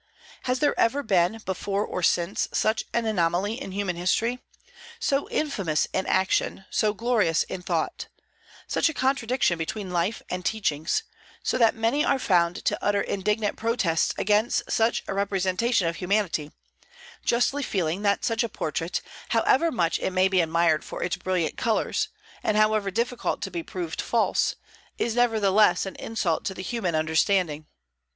Has there ever been, before or since, such an anomaly in human history, so infamous in action, so glorious in thought; such a contradiction between life and teachings, so that many are found to utter indignant protests against such a representation of humanity, justly feeling that such a portrait, however much it may be admired for its brilliant colors, and however difficult to be proved false, is nevertheless an insult to the human understanding?